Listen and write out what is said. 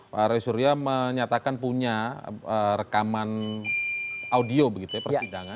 pak roy suryo menyatakan punya rekaman audio begitu ya persidangan